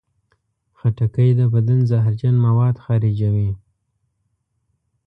خټکی د بدن زهرجن مواد خارجوي.